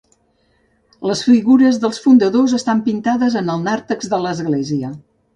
Les figures dels fundadors estan pintades en el nàrtex de l'església.